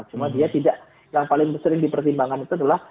cuma dia tidak yang paling sering dipertimbangkan itu adalah